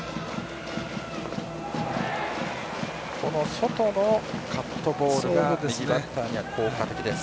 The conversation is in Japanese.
外のカットボールが右バッターには効果的です。